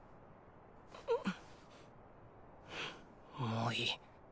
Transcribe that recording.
もういい。